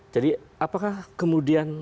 jadi apakah kemudian data ini berubah